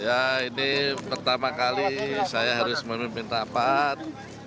ya ini pertama kali saya harus memimpin rapat